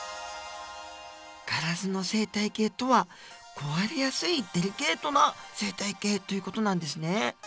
ガラスの生態系とは壊れやすいデリケートな生態系という事なんですね。